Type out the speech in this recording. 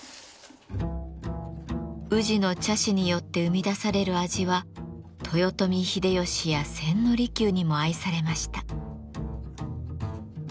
宇治の茶師によって生み出される味は豊臣秀吉や千利休にも愛されました。